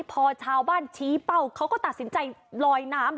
พอชาวบ้านชี้เป้าเขาก็ตัดสินใจลอยน้ำ